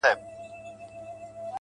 نه پوهېږم چي په څه سره خـــنـــديــــږي